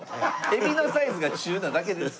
えびのサイズが中なだけです。